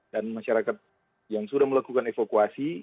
dan masyarakat yang sudah melakukan evakuasi